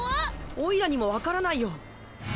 おいらにも分からないよ。